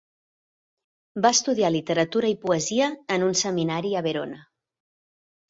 Va estudiar literatura i poesia en un seminari a Verona.